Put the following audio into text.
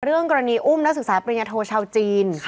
กรณีอุ้มนักศึกษาปริญญาโทชาวจีน